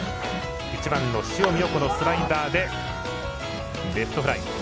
１番の塩見をスライダーでレフトフライ。